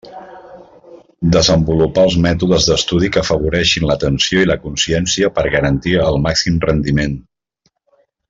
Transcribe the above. Desenvolupar els mètodes d'estudi que afavoreixin l'atenció i la consciència per garantir el màxim rendiment.